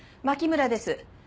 牧村です